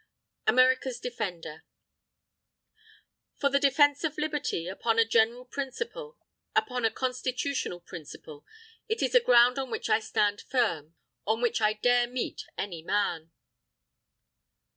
AMERICA'S DEFENDER "_For the defence of Liberty, upon a general principle, upon a constitutional principle, it is a ground on which I stand firm, on which I dare meet any man.